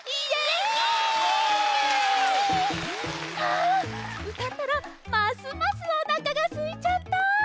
あうたったらますますおなかがすいちゃった。